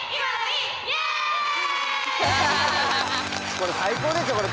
これ最高ですよこれ。